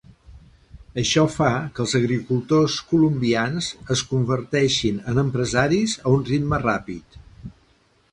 Això fa que els agricultors colombians es converteixin en empresaris a un ritme ràpid.